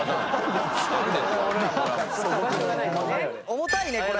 重たいねこれ。